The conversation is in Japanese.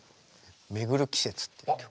「めぐる季節」っていう曲。